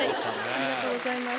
ありがとうございます。